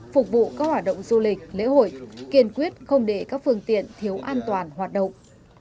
phục vụ các hoạt động du lịch lễ hội kiên quyết không để các phương tiện thiếu an toàn hoạt động